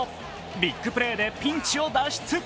ビッグプレーでピンチを脱出。